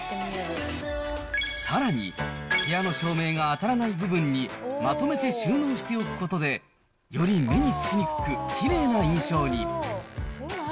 さらに、部屋の照明が当たらない部分にまとめて収納しておくことで、より目につきにくく、きれいな印象に。